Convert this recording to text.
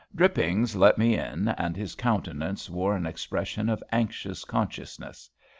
Drippings let me in, and his countenance wore an expression of anxious consciousness.